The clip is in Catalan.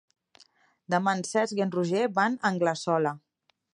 Demà en Cesc i en Roger van a Anglesola.